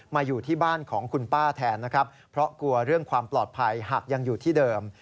อยู่ที่บ้านของคุณป้าแทนนะครับเพราะกลัวเรื่องความปลอดภัยหากยังอยู่ที่เดิม